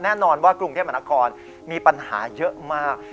แน่นอนว่ากรุงเทพมหานครมีปัญหาเยอะมาก